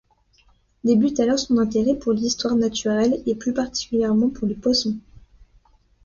Débute alors son intérêt pour l’histoire naturelle et plus particulièrement pour les poissons.